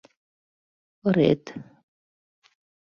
Ырет.